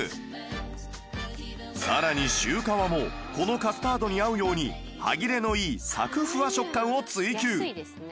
更にシュー皮もこのカスタードに合うように歯切れのいいサクふわ食感を追求